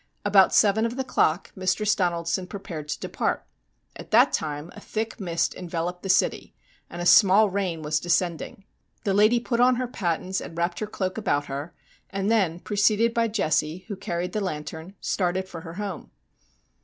About seven of the clock Mistress Donaldson prepared to depart. At that time a thick mist enveloped the city, and a small rain was descending. The lady put on her pattens and wrapped her cloak about her, and then, preceded by Jessie, who carried the lantern, started for her home.